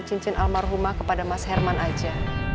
cincin almarhumah kepada mas herman aja